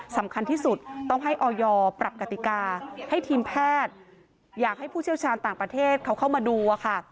สำคัญที่สุดต้องให้ออยปรับกติกาให้ทีมแพทย์อยากให้ผู้เชี่ยวชาญต่างประเทศเขาเข้ามาดูอะค่ะ